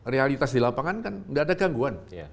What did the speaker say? realitas di lapangan kan nggak ada gangguan